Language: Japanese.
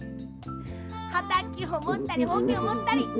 はたきをもったりほうきをもったり。